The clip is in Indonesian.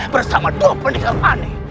bersama dua pendekat aneh